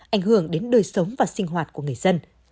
ảnh hưởng đến đời sống và sinh hoạt của người dân